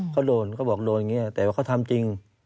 เขาโดนเขาบอกโดนอย่างนี้แต่ว่าเขาทำจริง